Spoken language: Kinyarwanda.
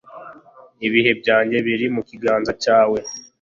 Ibihe byanjye biri mu kiganza cyawe